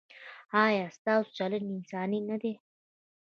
ایا ستاسو چلند انساني نه دی؟